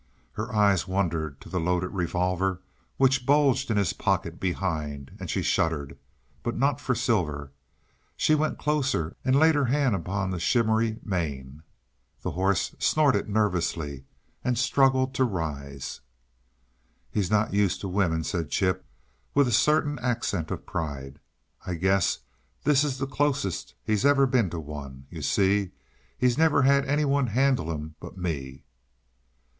Her eyes wandered to the loaded revolver which bulged his pocket behind, and she shuddered but not for Silver. She went closer and laid her hand upon the shimmery mane. The horse snorted nervously and struggled to rise. "He's not used to a woman," said Chip, with a certain accent of pride. "I guess this is the closest he's ever been to one. You see, he's never had any one handle him but me."